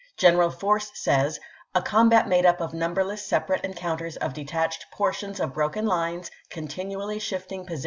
General Force says :" A combat made up of numberless separate encounters of detached portions of broken lines, continually shifting posi M.